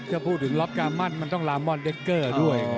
ถ้าพูดถึงล็อกกามั่นมันต้องลามอนเดคเกอร์ด้วย